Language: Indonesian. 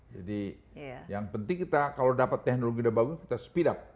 jadi yang penting kita kalau dapat teknologi yang bagus kita speed up